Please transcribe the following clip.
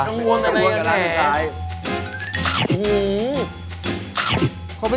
กังวลกันแล้วกันแหละ